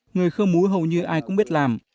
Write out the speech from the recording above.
người khơ mú hầu như ai cũng biết làm